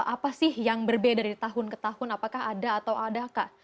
apa sih yang berbeda dari tahun ke tahun apakah ada atau adakah